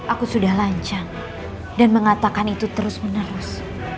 aku sudah lancar dan mengatakan itu terus menerus